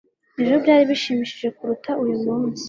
ejo byari bishimishije kuruta uyu munsi